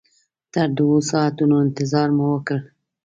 تر دوو ساعتونو انتظار مو وکړ.